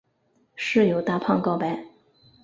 室友大胖告白。